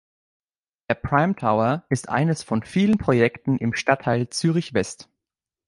Der Prime Tower ist eines von vielen Projekten im Stadtteil Zürich West.